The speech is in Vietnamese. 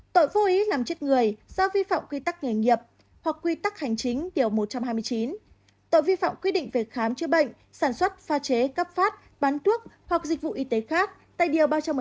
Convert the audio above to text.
tội vô ý làm chết người do vi phạm quy tắc nghề nghiệp hoặc quy tắc hành chính điều một trăm hai mươi chín tội vi phạm quy định về khám chữa bệnh sản xuất pha chế cấp phát bán thuốc hoặc dịch vụ y tế khác tại điều ba trăm một mươi hai